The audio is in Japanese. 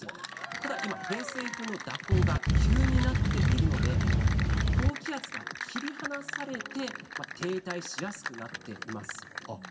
ただ、今は偏西風の蛇行が急になっているので高気圧が切り離されて停滞しやすくなっています。